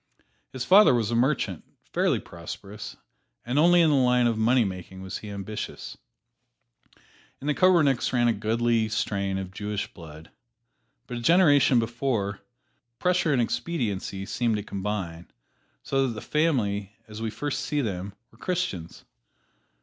His father was a merchant, fairly prosperous, and only in the line of money making was he ambitious. In the Koppernigks ran a goodly strain of Jewish blood, but a generation before, pressure and expediency seemed to combine, so that the family, as we first see them, were Christians.